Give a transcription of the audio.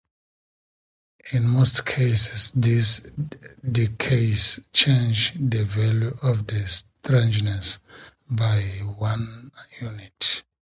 In most cases these decays change the value of the strangeness by one unit.